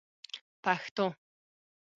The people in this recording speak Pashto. پښتو